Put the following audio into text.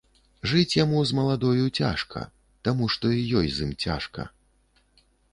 Жыць яму з маладою цяжка таму, што і ёй з ім цяжка.